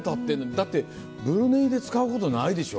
だってブルネイで使うことないでしょ？